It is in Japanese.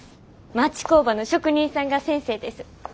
町工場の職人さんが先生です。